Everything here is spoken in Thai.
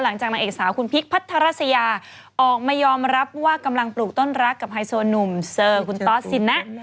นางเอกสาวคุณพีคพัทรัสยาออกมายอมรับว่ากำลังปลูกต้นรักกับไฮโซหนุ่มเซอร์คุณตอสซินะ